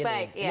baik baik baik